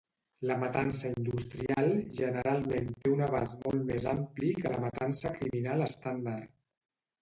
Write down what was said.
La matança industrial generalment té un abast molt més ampli que la matança criminal estàndard.